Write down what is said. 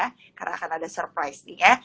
nanti ya karena akan ada surprise nih ya